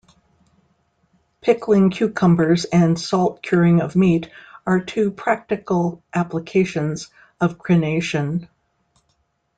Pickling cucumbers and salt-curing of meat are two practical applications of crenation.